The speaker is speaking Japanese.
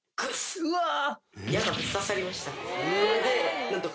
うわーっ！